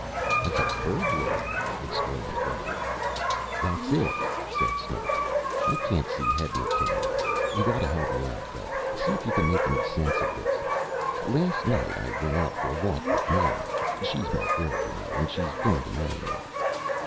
"As a burglar!" exclaimed Gubb. "That's it!" said Snooks. "I can't see head or tail of it. You got to help me out, Gubb. See if you can make any sense of this: "Last night I went out for a walk with Nan. She's my girl, you know, and she's going to marry me.